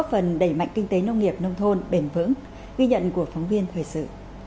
và kinh tế nông nghiệp nông thôn bền vững ghi nhận của phóng viên hồi sự